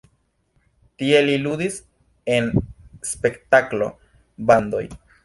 Tie li ludis en spektaklo-bandoj.